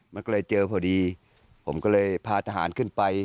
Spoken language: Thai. มันก็เลยเจอพอดีผมก็เลยพาทหารขึ้นไป